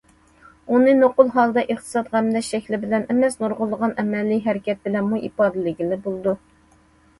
ئۇنى نوقۇل ھالدا ئىقتىساد غەملەش شەكلى بىلەن ئەمەس، نۇرغۇنلىغان ئەمەلىي ھەرىكەت بىلەنمۇ ئىپادىلىگىنى بولىدۇ.